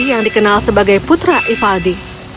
yang dikenal sebagai putra ivaldi